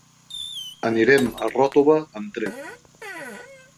Anirem a Ròtova amb tren.